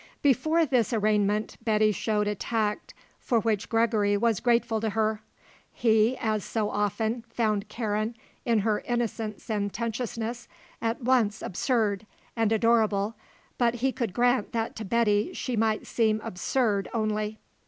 Before this arraignment Betty showed a tact for which Gregory was grateful to her. He, as so often, found Karen, in her innocent sententiousness, at once absurd and adorable, but he could grant that to Betty she might seem absurd only.